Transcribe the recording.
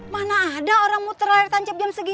mana ada orang muter layar tancap jam segini